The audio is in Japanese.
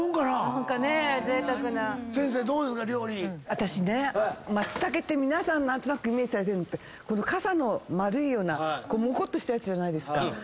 私ね松茸って皆さん何となくイメージされてるのってかさの丸いようなもこっとしたやつじゃないですか。